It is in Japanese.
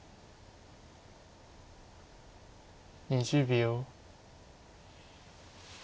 ２０秒。